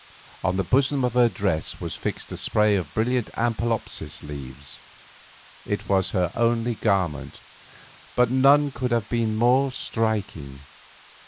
On the bosom of her dress was fixed a spray of brilliant ampelopsis leaves; it was her only ornament, but none could have been more striking.